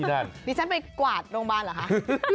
ดิฉันไปกวาดโรงพยาบาลเหรอคะ